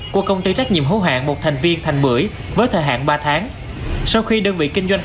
của công ty trách nhiệm hữu hạn một thành viên thành bưởi với thời hạn ba tháng